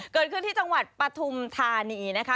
เกิดขึ้นที่จังหวัดปฐุมธานีนะคะ